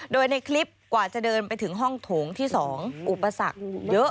โดยในคลิปกว่าจะเดินไปถึงห้องโถงที่๒อุปสรรคเยอะ